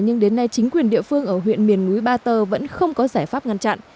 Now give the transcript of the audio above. nhưng đến nay chính quyền địa phương ở huyện miền núi ba tơ vẫn không có giải pháp ngăn chặn